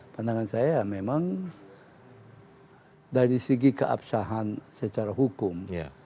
pandangan saya memang dari segi keabsahan secara hukum